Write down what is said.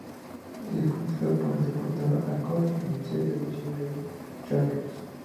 Ella es conocida por interpretar a Colleen en la serie de televisión Game Shakers.